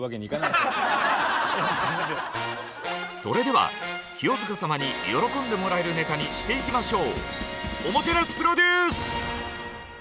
それでは清塚様に喜んでもらえるネタにしていきましょう。